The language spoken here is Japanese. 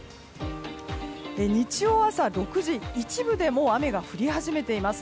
日曜朝６時、一部でもう雨が降り始めています。